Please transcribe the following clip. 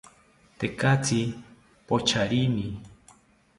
Tekatzi pocharini